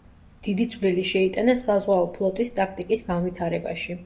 დიდი წვლილი შეიტანა საზღვაო ფლოტის ტაქტიკის განვითარებაში.